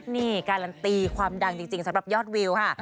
นี่การันตีความดังจริงสำหรับยอดวิวค่ะ